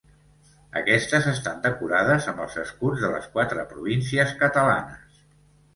Aquestes estan decorades amb els escuts de les quatre províncies catalanes.